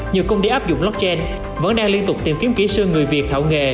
nhiều công ty áp dụng blockchain vẫn đang liên tục tìm kiếm kỹ sư người việt thạo nghề